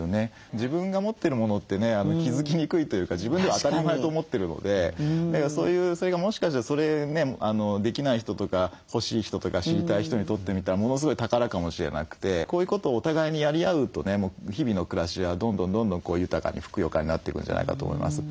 自分が持ってるものってね気付きにくいというか自分では当たり前と思ってるのでそういうそれがもしかしてそれねできない人とか欲しい人とか知りたい人にとってみたらものすごい宝かもしれなくてこういうことをお互いにやり合うとね日々の暮らしはどんどんどんどん豊かにふくよかになってくんじゃないかと思います。